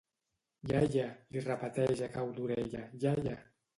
Iaia! —li repeteix a cau d'orella— Iaia!